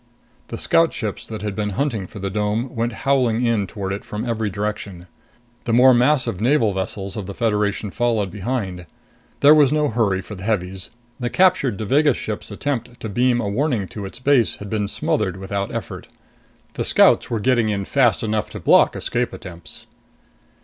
The Scout ships that had been hunting for the dome went howling in toward it from every direction. The more massive naval vessels of the Federation followed behind. There was no hurry for the heavies. The captured Devagas ship's attempt to beam a warning to its base had been smothered without effort. The Scouts were getting in fast enough to block escape attempts.